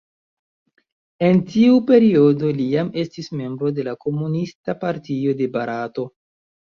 En tiu periodo li jam estis membro de la Komunista Partio de Barato.